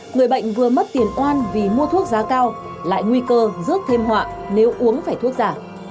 người bệnh vừa mất tiền oan vì mua thuốc giá cao lại nguy cơ rước thêm họa nếu uống phải thuốc giả